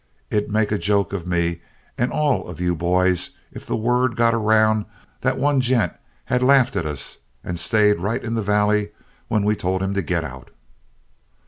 It'd make a joke of me and all of you boys if the word got around that one gent had laughed at us and stayed right in the Valley when we told him to get out."